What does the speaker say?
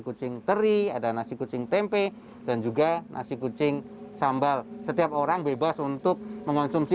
kucing teri ada nasi kucing tempe dan juga nasi kucing sambal setiap orang bebas untuk mengonsumsi